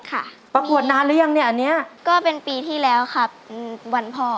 ประกวดนานหรือยังเนี่ยอันนี้ก็เป็นปีที่แล้วครับวันพ่อ